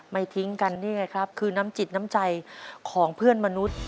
ทิ้งกันนี่ไงครับคือน้ำจิตน้ำใจของเพื่อนมนุษย์